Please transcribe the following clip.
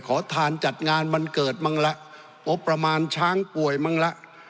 ขอทานจัดงานวันเกิดมั่งละงบประมาณช้างป่วยมั่งละ